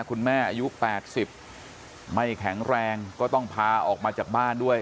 คุณแม่อายุ๘๐ไม่แข็งแรงก็ต้องพาออกมาจากบ้านด้วย